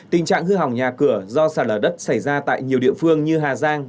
tình trạng hư hỏng nhà cửa do sạt lở đất xảy ra tại nhiều địa phương như hà giang